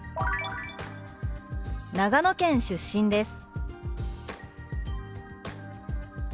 「長野県出身です」。